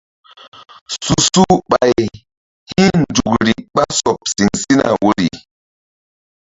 Su su ɓay hi̧nzukri ɓa sɔɓ siŋ sina woyri.